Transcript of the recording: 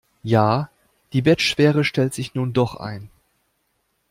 Ja, die Bettschwere stellt sich nun doch ein.